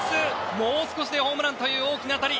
もう少しでホームランという大きな当たり！